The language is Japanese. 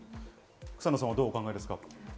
草野さんはどうお考えですか？